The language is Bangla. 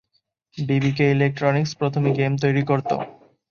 বিবিকে ইলেক্ট্রনিক্স প্রথমে গেম তৈরি করত।